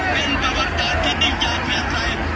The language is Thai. เป็นประวัติการที่นิยาเมืองไทย